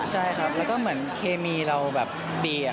ใช่ครับแล้วก็เคมีเราแบบดีญี่ค์